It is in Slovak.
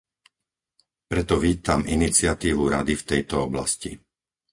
Preto vítam iniciatívu Rady v tejto oblasti.